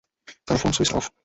তার phone switched of.